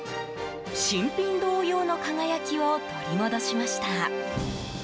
新品同様の輝きを取り戻しました。